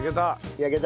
焼けた。